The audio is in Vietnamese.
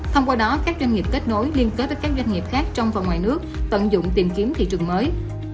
thông qua đó các doanh nghiệp kết nối liên kết với các doanh nghiệp khác trong và ngoài nước tận dụng tìm kiếm thị trường mới